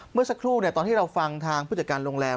เมื่อสักครู่ตอนที่เราฟังทางผู้จัดการโรงแรม